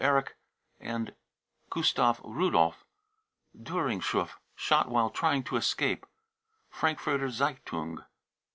erich and gustav rudolf, Dtihringshof, shot " while !'\ trying to escape." (Frankfurter Zeitung.)